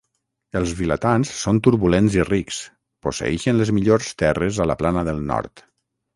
Els vilatans són turbulents i rics, posseeixen les millors terres a la plana del nord.